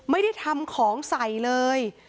ไม่ได้ทำของใส่เลย